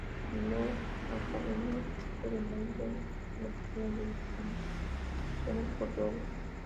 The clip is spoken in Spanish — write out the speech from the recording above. Las academias de todo el mundo lo cubrieron de distinciones por su obra.